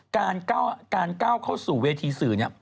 การก้าวเข้าสู่เวทีสื่อเนี่ย